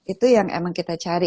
itu yang emang kita cari